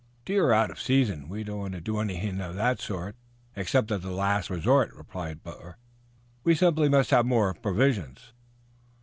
"Deer are out of season. We don't want to do anything of that sort, except as a last resort," replied Butler. "We simply must have some more provisions."